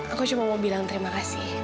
aku cuma mau bilang terima kasih